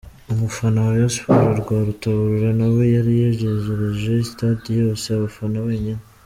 Umufana wa Rayon Sports Rwarutabura na we yari yazengereje stade yose afana wenyine.